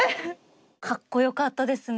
かっこよかったですね。